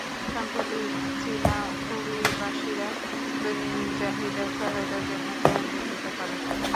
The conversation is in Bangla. সাম্প্রতিক চীনা অভিবাসীরা দৈনন্দিন চাহিদার সহায়তার জন্য কেন্দ্রে যেতে পারেন।